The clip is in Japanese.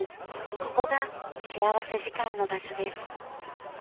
ここが幸福時間の場所です。